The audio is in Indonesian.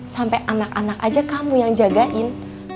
sampai anak anak aja kamu yang jagain